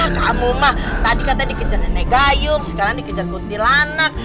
kamu mah tadi kan tadi dikejar nenek gayung sekarang dikejar kuntilanak